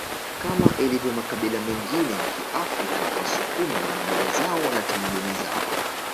Kama ilivyo makabila mengine ya Kiafrika wasukuma wana mila zao na tamaduni zao